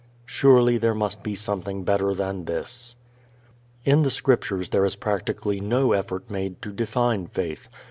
Surely there must be something better than this. In the Scriptures there is practically no effort made to define faith.